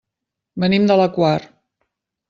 Venim de la Quar.